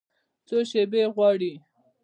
څو شیبې غواړي